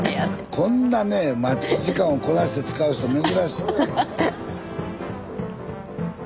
こんなね待ち時間をこないして使う人珍しい。